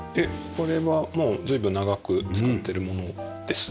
これはもう随分長く使ってるものです。